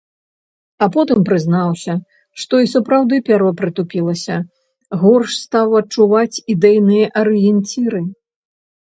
А потым прызнаўся, што і сапраўды пяро прытупілася, горш стаў адчуваць ідэйныя арыенціры.